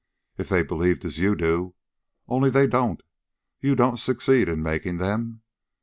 "If they believed as you do. Only they don't. You don't succeed in making them."